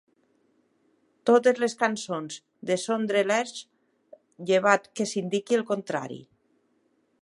Totes les cançons de Sondre Lerche, llevat que s'indiqui el contrari.